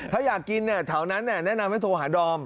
ถ้าอยากกินแถวนั้นแนะนำให้โทรหาดอม